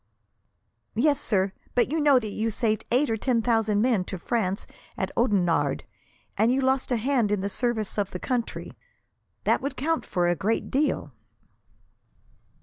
"Yes, sir; but you know that you saved eight or ten thousand men to France at Oudenarde, and you lost a hand in the service of the country. That would count for a great deal."